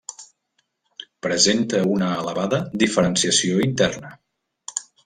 Presenta una elevada diferenciació interna.